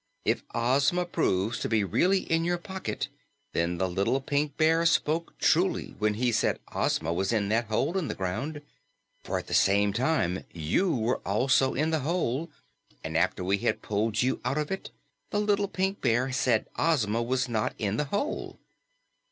"If Ozma proves to be really in your pocket, then the little Pink Bear spoke truly when he said Ozma was in that hole in the ground. For at that time you were also in the hole, and after we had pulled you out of it, the little Pink Bear said Ozma was not in the hole."